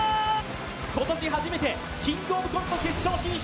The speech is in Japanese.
今年初めて「キングオブコント」決勝進出